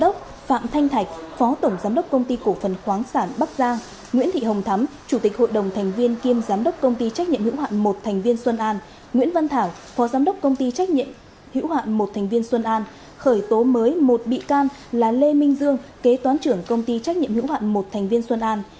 chủ tịch hội đồng thành viên kiêm giám đốc công ty trách nhiệm hữu hạn một thành viên xuân an nguyễn văn thảo phó giám đốc công ty trách nhiệm hữu hạn một thành viên xuân an khởi tố mới một bị can là lê minh dương kế toán trưởng công ty trách nhiệm hữu hạn một thành viên xuân an